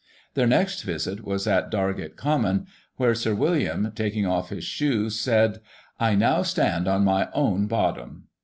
Their next visit was at Dajgate Common, where Sir William, taking off his shoes, said, *I now stand on my own bottom.'